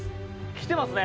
「きてますね！」